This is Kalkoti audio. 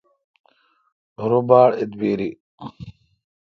رو باڑ اعبیری۔